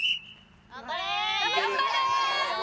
頑張れ！